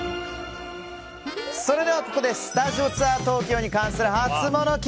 それでは、ここでスタジオツアー東京に関するハツモノＱ！